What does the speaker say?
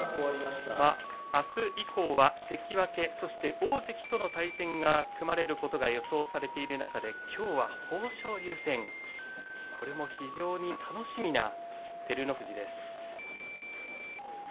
あす以降は関脇、大関との対戦が組まれることが予想されている中できょうは豊昇龍戦、非常に楽しみな照ノ富士です。